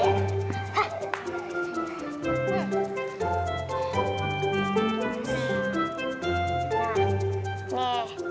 ini bola cetil banget sih